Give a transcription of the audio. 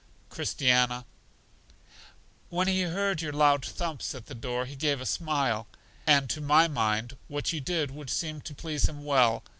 Christiana: When He heard your loud thumps at the door He gave a smile; and to my mind, what you did would seem to please Him well.